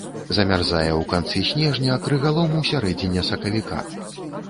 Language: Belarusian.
Замярзае ў канцы снежня, крыгалом у сярэдзіне сакавіка.